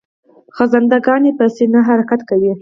خزنده ګان په سینه حرکت کوي